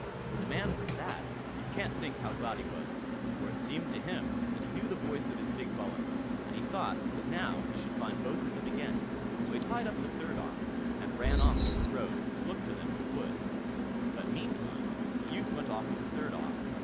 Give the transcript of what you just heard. When the man heard that, you can't think how glad he was, for it seemed to him that he knew the voice of his big bullock, and he thought that now he should find both of them again; so he tied up the third ox, and ran off from the road to look for them in the wood; but meantime the youth went off with the third ox.